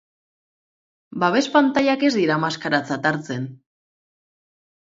Babes-pantailak ez dira maskaratzat hartzen.